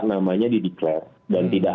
namanya dideklarasi dan tidak